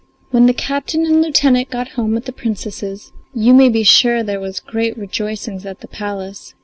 When the captain and lieutenant got home with the Princesses you may be sure there were great rejoicings at the palace.